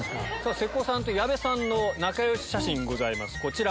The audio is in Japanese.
瀬古さんと矢部さんの仲良し写真ございますこちら。